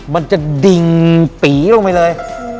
มันจะดิ่งปีลงไปเลย